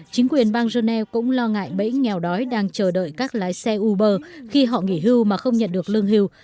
chính quyền bang genèo cũng lo ngại bẫy nghèo đói đang chờ đợi các lái xe uber khi họ nghỉ hưu mà không nhận được lương hưu